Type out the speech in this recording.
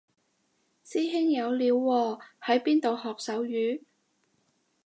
師兄有料喎喺邊度學手語